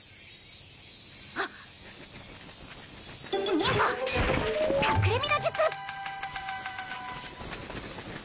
忍法隠れみの術！